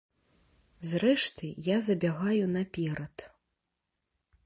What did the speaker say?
Зрэшты, я забягаю наперад.